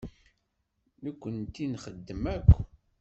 Nekkenti nxeddem akk.